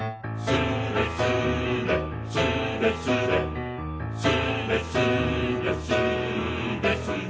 「スレスレスレスレ」「スレスレスーレスレ」